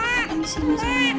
mama disini sayang